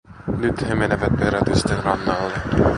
Nyt he menevät perätysten rannalle.